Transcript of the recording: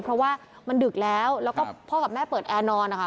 เพราะว่ามันดึกแล้วแล้วก็พ่อกับแม่เปิดแอร์นอนนะคะ